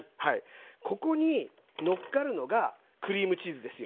ここにのっかるのがクリームチーズですよ。